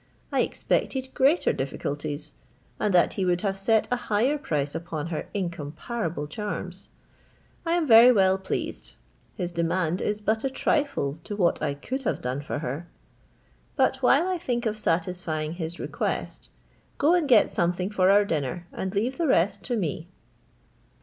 I expected greater difficulties, and that he would have set a higher price upon her incomparable charms. I am very well pleased; his demand is but a trifle to what I could have done for her. But while I think of satisfying his request, go and get something for our dinner, and leave the rest to me."